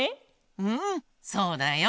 うんそうだよ。